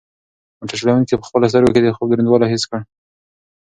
موټر چلونکي په خپلو سترګو کې د خوب دروندوالی حس کړ.